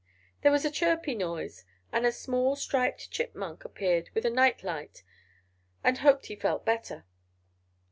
There was a chirpy noise, and a small striped Chipmunk appeared with a night light, and hoped he felt better?